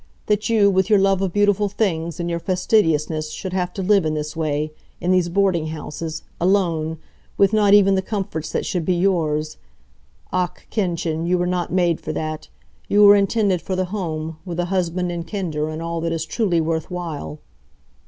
That you, with your love of beautiful things, and your fastidiousness, should have to live in this way in these boarding houses, alone, with not even the comforts that should be yours. Ach, Kindchen, you were not made for that. You were intended for the home, with a husband, and kinder, and all that is truly worth while."